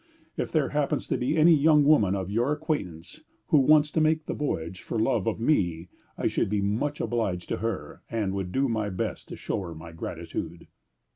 If there happens to be any young woman of your acquaintance who wants to make the voyage for love of me, I should be much obliged to her, and would do my best to show her my gratitude."